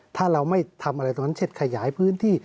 ถ้าเราไม่ทำอะไรตรงนั้นเช่นขยายพื้นที่